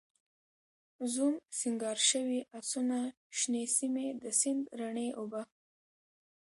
زوم، سینګار شوي آسونه، شنې سیمې، د سیند رڼې اوبه